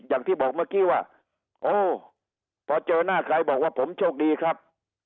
อย่างที่บอกเมื่อกี้ว่าโอ้พอเจอหน้าใครบอกว่าผมโชคดีครับ